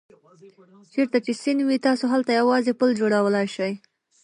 چېرته چې سیند وي تاسو هلته یوازې پل جوړولای شئ.